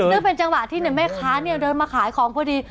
นึกเป็นจังหวะที่แม่คะเดินมาขายของพอดี